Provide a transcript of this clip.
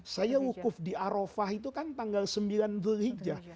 saya lukuf di arofah itu kan tanggal sembilan dhul hijjah